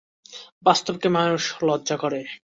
বাস্তবকে মানুষ লজ্জা করে।